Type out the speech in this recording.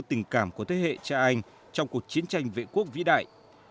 tình cảm của thế hệ cha anh trong cuộc chiến tranh vệ quốc vĩ đại